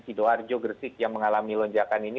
sidoarjo gresik yang mengalami lonjakan ini